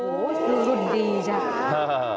โอ้โหรุ่นรุ่นดีจ้ะ